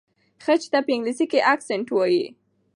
خج ته په انګلیسۍ کې اکسنټ وایي.